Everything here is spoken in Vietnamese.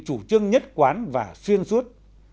chủ trương nhất quán và xuyên suốt